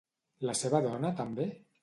La seva dona també?